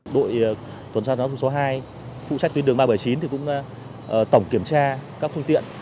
đội tuần tra giáo thông số hai phụ trách tuyến đường ba trăm bảy mươi chín cũng tổng kiểm tra các phương tiện